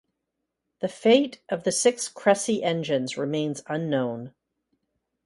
The fate of the six Crecy engines remains unknown.